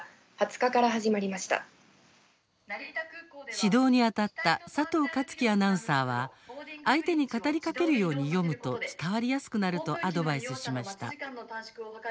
指導にあたった佐藤克樹アナウンサーは相手に語りかけるように読むと伝わりやすくなるとアドバイスしました。